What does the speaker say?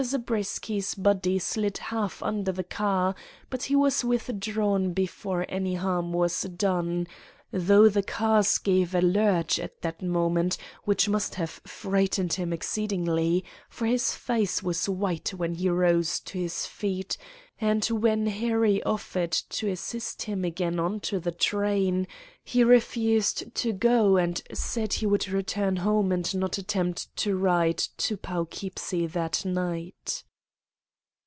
Zabriskie's body slid half under the car, but he was withdrawn before any harm was done, though the cars gave a lurch at that moment which must have frightened him exceedingly, for his face was white when he rose to his feet, and when Harry offered to assist him again on to the train, he refused to go and said he would return home and not attempt to ride to Poughkeepsie that night.